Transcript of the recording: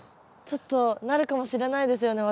ちょっとなるかもしれないですよね